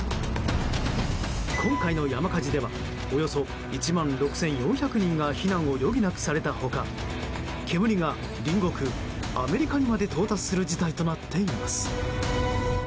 今回の山火事ではおよそ１万６４００人が避難を余儀なくされた他煙が、隣国アメリカにまで到達する事態となっています。